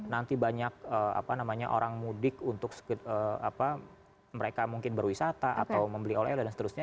nanti banyak apa namanya orang mudik untuk mereka mungkin berwisata atau membeli oil dan seterusnya